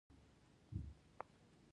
آیا د کاناډا موسیقي صادرات نلري؟